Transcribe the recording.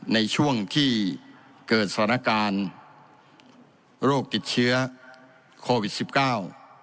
ในช่วงที่เกิดสถานการณ์โรคติดเชื้อโควิดสิบเก้า